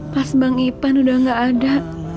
pas bang ipan udah gak ada